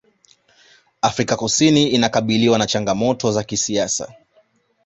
afrika kusini inakabiliwa na changamoto za kisiasa